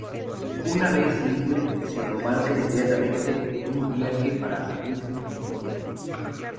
Una vez libre, se embarca inmediatamente en un viaje para reunirse con su novia.